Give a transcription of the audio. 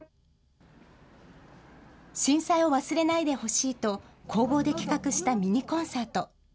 震災を忘れないでほしいと、工房で企画したミニコンサート。